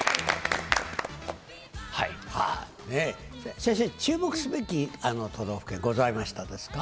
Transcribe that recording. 先生、注目すべき都道府県ございましたですか？